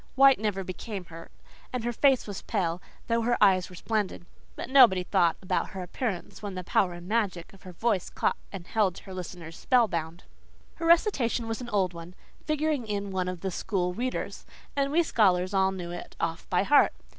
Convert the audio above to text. White never became her, and her face was pale, though her eyes were splendid. But nobody thought about her appearance when the power and magic of her voice caught and held her listeners spellbound. Her recitation was an old one, figuring in one of the School Readers, and we scholars all knew it off by heart.